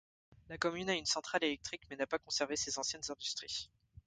La commune a une centrale électrique, mais n'a pas conservé ses anciennes industries.